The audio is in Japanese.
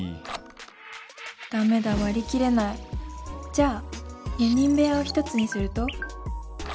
じゃあ４人部屋を１つにすると？